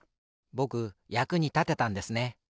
ぼくやくにたてたんですね。